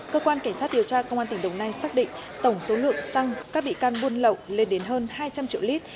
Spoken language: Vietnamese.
cơ quan cảnh sát điều tra công an tỉnh đồng nai xác định tổng số lượng xăng các bị can buôn lậu lên đến hơn hai trăm linh triệu lít